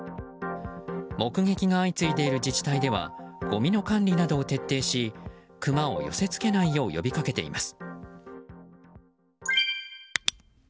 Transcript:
目撃が相次いでいる自治体ではごみの管理などを徹底しクマを寄せ付けないよう呼びかけています。